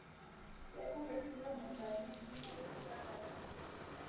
Se ha convertido en la canción insignia de Chaka Khan.